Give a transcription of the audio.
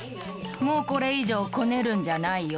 もうこれ以上こねるんじゃないよ。